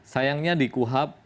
sayangnya di kuhap